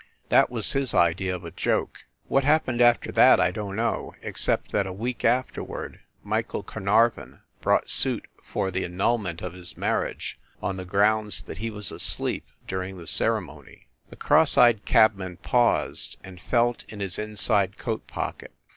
That was his idea of a joke. What happened after that I don t know, except that a week afterward Michael Carnarvon brought suit for the annulment of his marriage, on the grounds that he was asleep during the ceremony. The cross eyed cabman paused, and felt in his in side coat pocket.